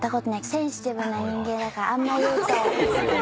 センシティブな人間だから言うと。